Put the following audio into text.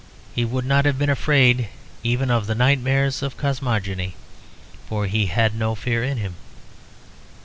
He would not have been afraid even of the nightmares of cosmogony, for he had no fear in him.